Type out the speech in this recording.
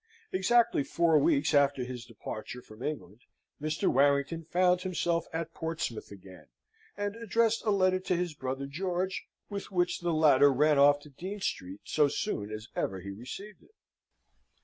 Exactly four weeks after his departure from England, Mr. Warrington found himself at Portsmouth again, and addressed a letter to his brother George, with which the latter ran off to Dean Street so soon as ever he received it.